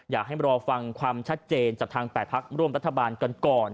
อยากให้รอฟังความชัดเจนจากทาง๘พักร่วมรัฐบาลกันก่อน